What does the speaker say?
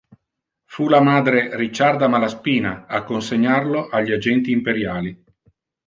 Fu la madre, Ricciarda Malaspina, a consegnarlo agli agenti imperiali.